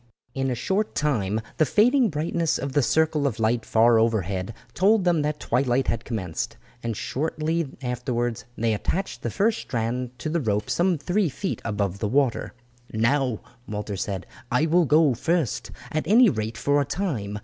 In a short time the fading brightness of the circle of light far overhead told them that twilight had commenced, and shortly afterwards they attached the first strand to the rope some three feet above the water. "Now," Walter said, "I will go first, at any rate for a time.